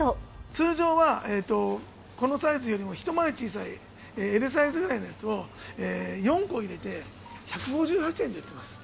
通常はこのサイズよりも一回り小さいＬサイズぐらいのやつを４個入れて１５８円で売ってます。